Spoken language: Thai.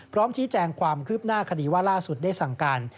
พร้อมชี้แจงความคืบหน้าคดีว่าล่าสุดได้สั่งการ